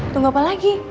tunggu apa lagi